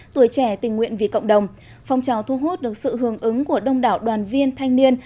tuổi trẻ tình nguyện vì cộng đồng phong trào thu hút được sự hưởng ứng của đông đảo đoàn viên thanh niên